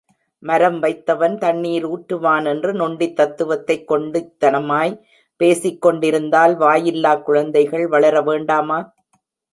மரம் வைத்தவன் தண்ணீர் ஊற்றுவான் என்று நொண்டித் தத்துவத்தைக் கொண்டித்தனமாய்ப் பேசிக் கொண்டிருந்தால், வாயில்லாக் குழந்தைகள் வளர வேண்டாமா?